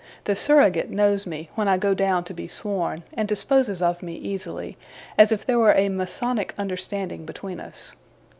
The Surrogate knows me, when I go down to be sworn; and disposes of me easily, as if there were a Masonic understanding between us.